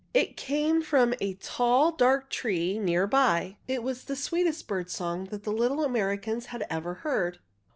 It came from a tall, dark tree near by. It was the sweetest bird's song the little Americans had ever heard.